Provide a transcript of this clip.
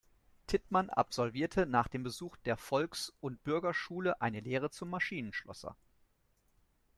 Tittmann absolvierte nach dem Besuch der Volks- und Bürgerschule eine Lehre zum Maschinenschlosser.